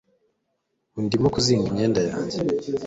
Ubu ndimo kuzinga imyenda yanjye